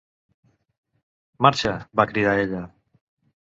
"Marxa!", va cridar ella.